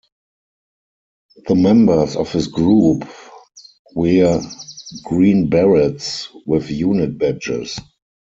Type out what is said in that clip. The members of this group wear green berets with unit badges.